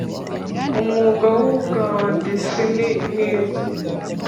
Umwuga w ubwanditsini mwiza